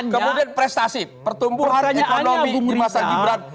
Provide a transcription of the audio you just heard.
kemudian prestasi pertumbuhan ekonomi di masa gibran